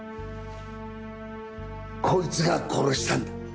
こいつが殺したんだ。